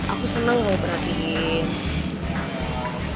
aku senang gak diperhatiin